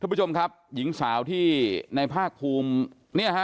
ทุกผู้ชมครับหญิงสาวที่ในภาคภูมิ